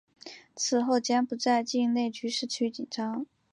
此后柬埔寨境内局势持续紧张。